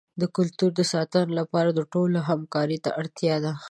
د کلتور د ساتنې لپاره د ټولو همکارۍ ته اړتیا ده.